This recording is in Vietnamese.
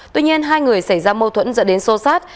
tuy nhiên hai người xảy ra mâu thuẫn dẫn đến sô sát